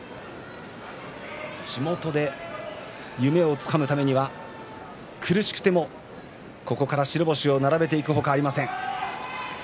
地元で夢をつかむためには苦しくてもここから白星を並べていくほかありません。